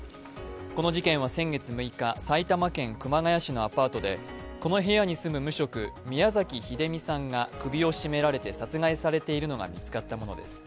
この事件は先月６日、埼玉県熊谷市のアパートでこの部屋に住む無職・宮崎英美さんが首を絞められて殺害されているのが見つかったものです。